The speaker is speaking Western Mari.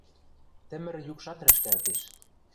Тӹмӹр юкшат рӹшкӓлтеш.